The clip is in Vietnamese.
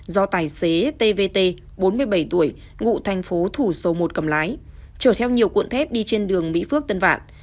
do tài xế tvt bốn mươi bảy tuổi ngụ thành phố thủ dầu một cầm lái chở theo nhiều cuộn thép đi trên đường mỹ phước tân vạn